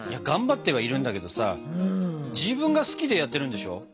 がんばってはいるんだけどさ自分が好きでやってるんでしょ。